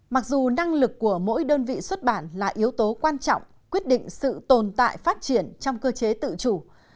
mặc dù năng lực của mỗi đơn vị xuất bản là yếu tố quan trọng quyết định sự tồn tại phát triển trong cơ chế tự chủ